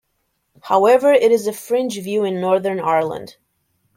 However, it is a fringe view in Northern Ireland.